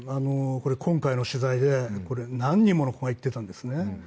今回の取材で何人もの子が言っていたんですね。